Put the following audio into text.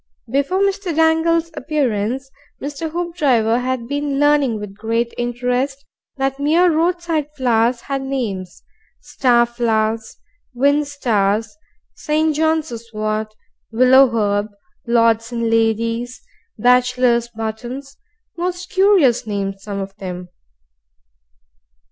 Before Mr. Dangle's appearance, Mr. Hoopdriver had been learning with great interest that mere roadside flowers had names, star flowers, wind stars, St. John's wort, willow herb, lords and ladies, bachelor's buttons, most curious names, some of them.